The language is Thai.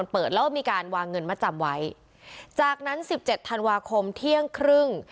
เปิดแล้วก็มีการวางเงินมาจำไว้จากนั้นสิบเจ็ดธันวาคมเที่ยงครึ่ง